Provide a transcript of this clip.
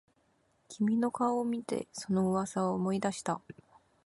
君の顔を見てその噂を思い出した